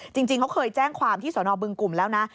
จริงเขาเคยแจ้งความที่สนบึงกลุ่มแล้วนะ